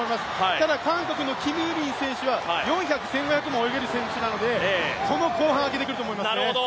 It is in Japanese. ただ韓国のキム・ウミン選手は４００、８００も泳げる選手なのでこの後半、あげてくると思います。